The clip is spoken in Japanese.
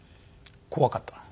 怖かった。